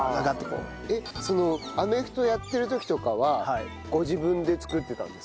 えっそのアメフトをやってる時とかはご自分で作ってたんですか？